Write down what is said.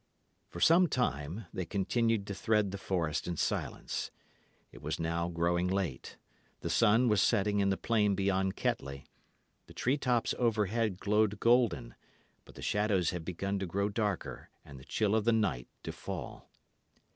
For some time they continued to thread the forest in silence. It was now growing late; the sun was setting in the plain beyond Kettley; the tree tops overhead glowed golden; but the shadows had begun to grow darker and the chill of the night to fall.